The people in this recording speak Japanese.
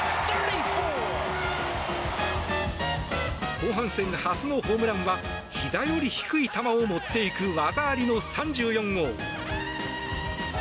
後半戦初のホームランはひざより低い球を持っていく技ありの３４号。